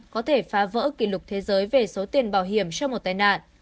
có thể phá vỡ kỷ lục thế giới về số tiền bảo hiểm cho một tai nạn